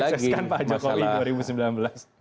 diukseskan pak jokowi dua ribu sembilan belas ya kembali lagi